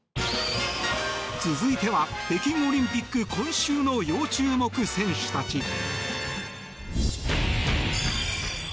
続いては北京オリンピック今週の要注目選手たち。